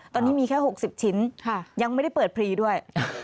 ตอนนี้มีแค่๖๐ชิ้นยังไม่ได้เปิดพรีด้วย